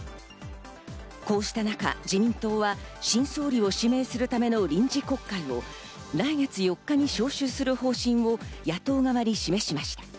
こうした中、自民党は新総理を指名するための臨時国会を来月４日に召集する方針を野党側に示しました。